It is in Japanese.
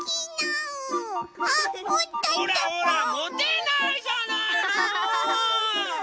ほらほらもてないじゃないの。